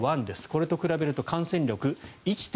これと比べると感染力１．４倍。